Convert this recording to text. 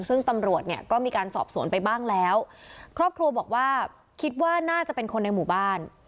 ซึ่งตำรวจเนี่ยก็มีการสอบสวนไปบ้างแล้วครอบครัวบอกว่าคิดว่าน่าจะเป็นคนในหมู่บ้าน